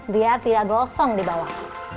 biar tidak gosong di bawah